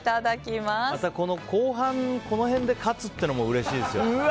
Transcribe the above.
また後半のこの辺で勝つのもうれしいですよ。